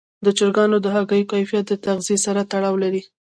د چرګانو د هګیو کیفیت د تغذیې سره تړاو لري.